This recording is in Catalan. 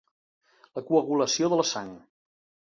La coagulació de la sang.